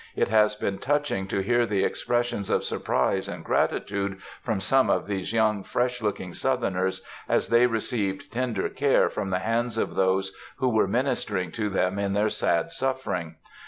It has been touching to hear the expressions of surprise and gratitude from some of these young, fresh looking Southerners, as they received tender care from the hands of those who were ministering to them in their sad suffering.